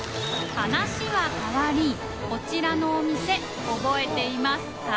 話は変わりこちらのお店覚えていますか？